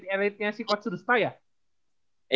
elitnya si kotsudusta ya